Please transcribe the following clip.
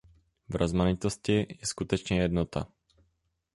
V rozmanitosti je skutečně jednota.